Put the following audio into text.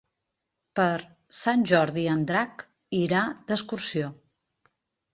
Per Sant Jordi en Drac irà d'excursió.